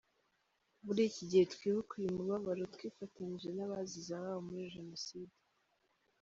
Muri iki gihe twibuka uyu mubabaro, twifatanije n’ abazize ababo muri genoside.